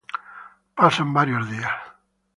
Pasan varios días.